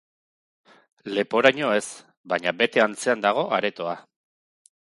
Leporaino ez, baina bete antzean dago aretoa.